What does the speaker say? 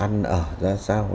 ăn ở ra sao